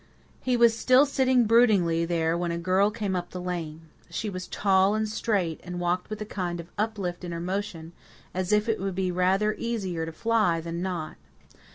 He was still sitting broodingly there when a girl came up the lane. She was tall and straight, and walked with a kind of uplift in her motion, as if it would be rather easier to fly than not.